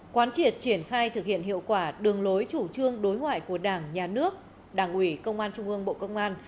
quán triệt triển khai thực hiện hiệu quả đường lối chủ trương đối ngoại của đảng nhà nước đảng ủy công an trung ương bộ công an